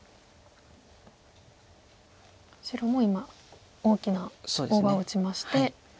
白も今大きな大場を打ちまして。